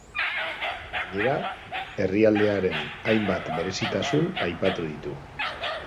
Gainera, herrialdearen hainbat berezitasun aipatu ditu.